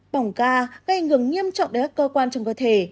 bỏng ga gây ảnh hưởng nghiêm trọng đến các cơ quan trong cơ thể